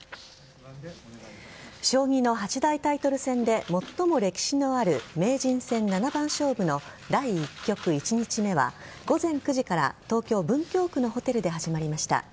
将棋の８大タイトル戦で最も歴史のある名人戦七番勝負の第１局１日目は午前９時から東京・文京区のホテルで始まりました。